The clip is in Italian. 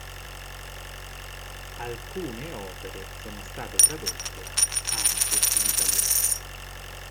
Alcune opere sono state tradotte, anche in italiano.